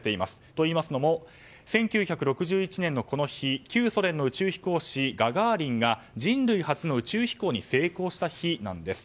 と言いますのも１９６１年の、この日旧ソ連の宇宙飛行士ガガーリンが人類初の宇宙飛行に成功した日なんです。